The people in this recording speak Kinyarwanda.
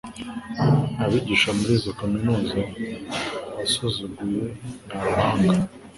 Abigisha muri izo kaminuza wasuzuguye ni abahanga